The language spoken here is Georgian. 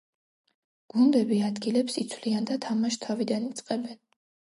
გუნდები ადგილებს იცვლიან და თამაშს თავიდან იწყებენ.